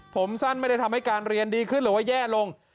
ผมสั้นไม่ได้ทำให้การเรียนดีขึ้นหรือว่าแย่ลง